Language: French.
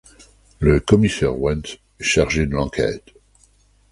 Le commissaire Wens est chargé de l'enquête.